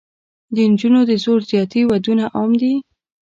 د نجونو د زور زیاتي ودونه عام دي.